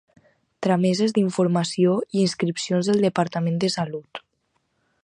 Trameses d'informació i inscripcions del Departament de Salut.